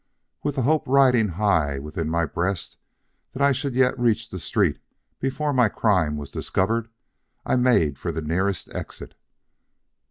With the hope riding high within my breast that I should yet reach the street before my crime was discovered, I made for the nearest exit.